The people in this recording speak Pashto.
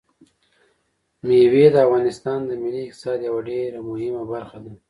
مېوې د افغانستان د ملي اقتصاد یوه ډېره مهمه برخه ده.